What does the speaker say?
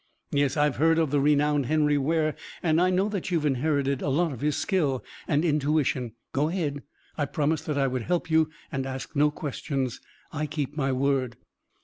"Yes, I've heard of the renowned Henry Ware, and I know that you've inherited a lot of his skill and intuition. Go ahead. I promised that I would help you and ask no questions. I keep my word."